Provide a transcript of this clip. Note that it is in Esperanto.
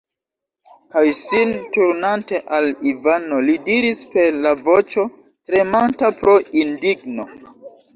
Kaj, sin turnante al Ivano, li diris per la voĉo, tremanta pro indigno.